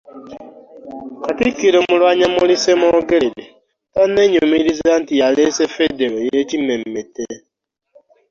Katikkiro Mulwanyammuli Ssemwogerere tanneenyumiriza nti yaleese Federo ey’ekimmemmette.